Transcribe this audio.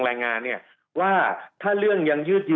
ทางประกันสังคมก็จะสามารถเข้าไปช่วยจ่ายเงินสมทบให้๖๒